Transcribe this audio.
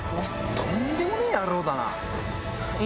とんでもねぇ野郎だな。